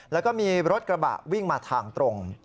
แล้วก็มีรถกระบะวิ่งมาทางตรง